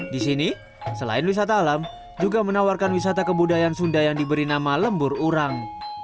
di sini selain wisata alam juga menawarkan wisata kebudayaan sunda yang diberi nama lembur urang